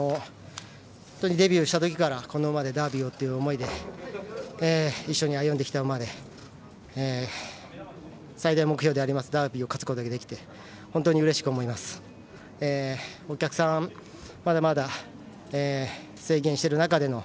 デビューしたときからこの馬でダービーをっていう思いで一緒に歩んできた馬で最大の目標であるダービーを勝つことができて本当にうれしく思います。